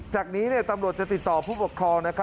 จากนี้ตำรวจจะติดต่อผู้ปกครอง